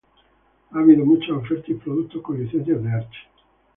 Ha habido muchas ofertas y productos con licencias de Archie.